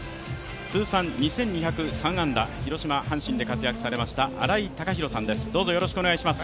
通算２２０３安打、広島・阪神で活躍されました新井貴浩さんです。